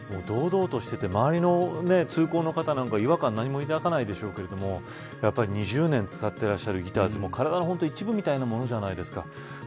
堂々としていて周りの通行の方なんか違和感何も抱かないでしょうけれどもやはり２０年使ってらっしゃるギターって体の一部みたいなものじゃないですか。